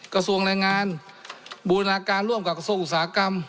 กระทรวงแรงงานบูรณาการร่วมกับกระทรวงอุตสาหกรรม